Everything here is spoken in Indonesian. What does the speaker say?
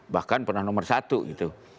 bahkan pernah nomor satu gitu